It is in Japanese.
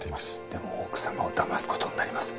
でも奥様をだます事になります。